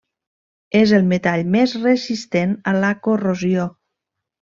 És el metall més resistent a la corrosió.